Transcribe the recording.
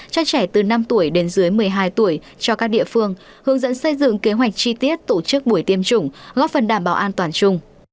cho trẻ từ năm tuổi đến dưới một mươi hai tuổi cho các địa phương hướng dẫn xây dựng kế hoạch chi tiết tổ chức buổi tiêm chủng góp phần đảm bảo an toàn chung